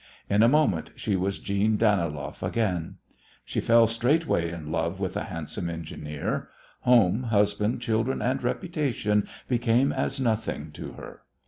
In a moment she was Jeanne Daniloff again. She fell straightway in love with the handsome engineer. Home, husband, children and reputation became as nothing to her.